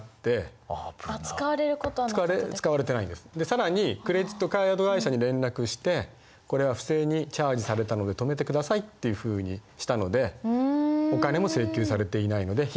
更にクレジットカード会社に連絡して「これは不正にチャージされたので止めてください」っていうふうにしたのでお金も請求されていないので被害額はゼロです。